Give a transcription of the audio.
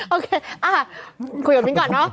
โอเคอ่าคุยกับบินก่อนเนอะ